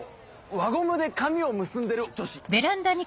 輪ゴムで髪を結んでる女子。